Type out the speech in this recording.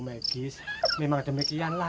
megis memang demikianlah